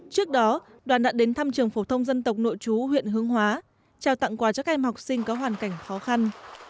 trước đó đoàn đã đến thăm trường phổ thông dân tộc nội chú huyện hương hóa trao tặng quà cho các em học sinh có hoàn cảnh khó khăn